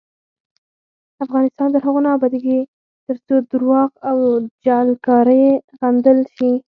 افغانستان تر هغو نه ابادیږي، ترڅو درواغ او جعلکاری غندل نشي.